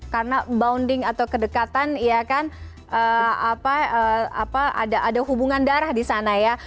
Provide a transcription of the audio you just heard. karena bounding atau kedekatan ya kan ada hubungan darah di sana ya